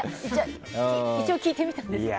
一応、聞いてみたんですけど。